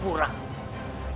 bisa menangani dia